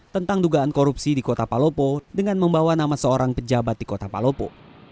tentang dugaan korupsi di kota palopo dengan membawa nama seorang pejabat di kota palopo